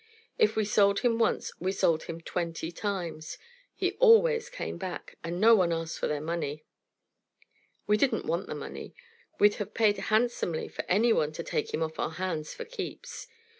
If we sold him once, we sold him twenty times. He always came back, and no one asked for their money. We didn't want the money. We'd have paid handsomely for any one to take him off our hands for keeps.